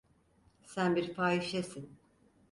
Sen bir fahişesin.